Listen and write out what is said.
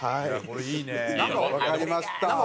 わかりました。